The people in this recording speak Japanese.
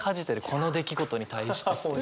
この出来事に対して。